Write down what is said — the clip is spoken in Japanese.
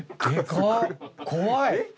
怖い。